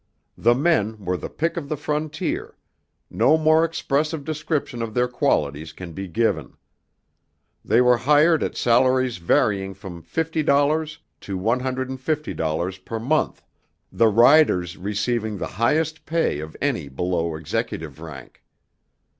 The men were the pick of the frontier; no more expressive description of their qualities can be given. They were hired at salaries varying from $50.00 to $150.00 per month, the riders receiving the highest pay of any below executive rank.